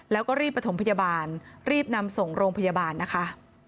แล้วก็รีบประถมพยาบาลรีบนำส่งโรงพยาบาลนะคะ